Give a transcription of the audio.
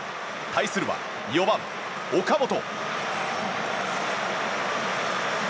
対するは４番、岡本。